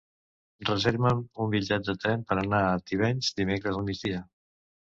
Reserva'm un bitllet de tren per anar a Tivenys dimecres al migdia.